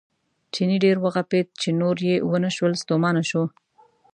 چیني ډېر وغپېد چې نور یې ونه شول ستومانه شو.